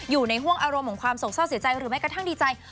อยู่ในห่วงอารมณ์ของความโศกเศร้าเสียใจหรือแม้กระทั่งดีใจ